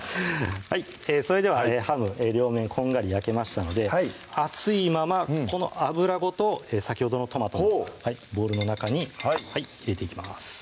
それではハム両面こんがり焼けましたので熱いままこの油ごと先ほどのトマトのボウルの中に入れていきます